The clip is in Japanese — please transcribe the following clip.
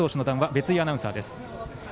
別井アナウンサーです。